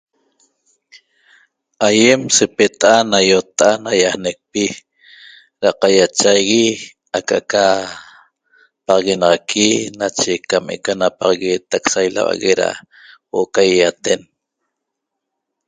Ayem sepeta'a na i'otta na yanecpi da qayachaigui aca'aca paxaguenaxaqui nachecam eca napaxague'etac sailauague da huo'o ca yayaten